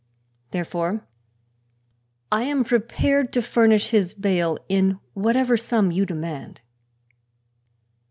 Therefore I am prepared to furnish his bail in whatever sum you demand."